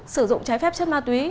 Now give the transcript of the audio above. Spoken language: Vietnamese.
sử dụng trái phép chất ma tùy